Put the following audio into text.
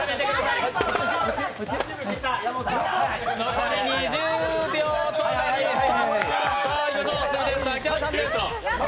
残り２０秒となりました。